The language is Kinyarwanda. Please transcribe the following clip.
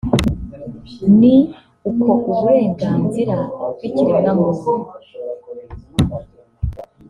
ni uko uburenganzira bw’ikiremwamuntu